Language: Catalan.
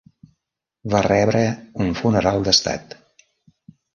Va rebre un funeral d'estat.